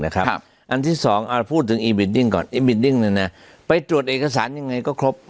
ครับครับอันที่สองเอาเราพูดถึงก่อนน่าไปตรวจเอกสารยังไงก็ครบ